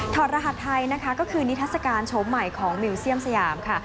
รหัสไทยนะคะก็คือนิทัศกาลโฉมใหม่ของมิวเซียมสยามค่ะ